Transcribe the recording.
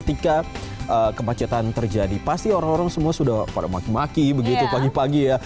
ketika kemacetan terjadi pasti orang orang semua sudah pada maki maki begitu pagi pagi ya